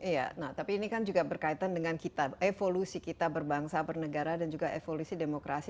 iya nah tapi ini kan juga berkaitan dengan kita evolusi kita berbangsa bernegara dan juga evolusi demokrasi